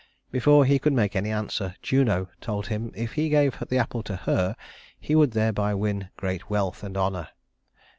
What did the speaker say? Before he could make any answer, Juno told him if he gave the apple to her he would thereby win great wealth and honor.